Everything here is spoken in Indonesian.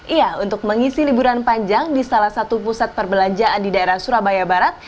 iya untuk mengisi liburan panjang di salah satu pusat perbelanjaan di daerah surabaya barat